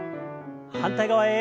反対側へ。